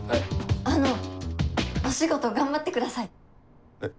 あのお仕事頑張ってください！え？